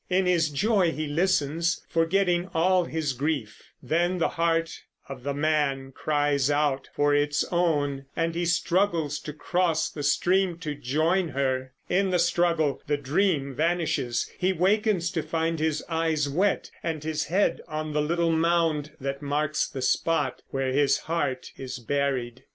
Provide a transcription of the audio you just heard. In his joy he listens, forgetting all his grief; then the heart of the man cries out for its own, and he struggles to cross the stream to join her. In the struggle the dream vanishes; he wakens to find his eyes wet and his head on the little mound that marks the spot where his heart is buried.